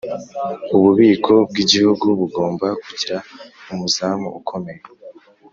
Ububiko bw’Igihugu bugomba kugira umuzamu ukomeye